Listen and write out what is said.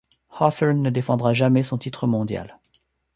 Hawthorn ne défendra jamais son titre mondial.